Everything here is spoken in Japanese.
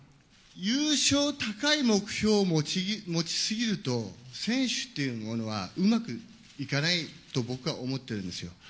優勝、高い目標を持ち過ぎると、選手っていうものはうまくいかないと僕は思ってるんですよ。